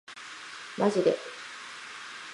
マジで